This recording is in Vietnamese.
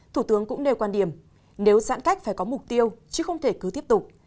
thủ tướng cũng nêu quan điểm nếu giãn cách phải có mục tiêu chứ không thể cứ tiếp tục